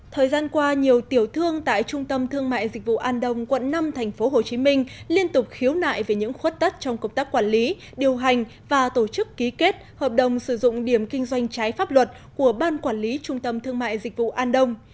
thời gian qua nhiều tiểu thương tại trung tâm thương mại dịch vụ an đông quận năm tp hcm liên tục khiếu nại về những khuất tất trong công tác quản lý điều hành và tổ chức ký kết hợp đồng sử dụng điểm kinh doanh trái pháp luật của ban quản lý trung tâm thương mại dịch vụ an đông